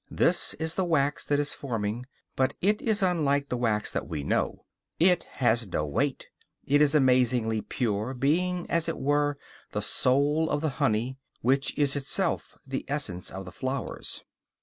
This is the wax that is forming; but it is unlike the wax that we know; it has no weight, it is amazingly pure, being, as it were, the soul of the honey, which is itself the essence of the flowers.